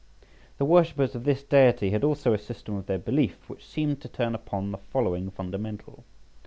The worshippers of this deity had also a system of their belief which seemed to turn upon the following fundamental.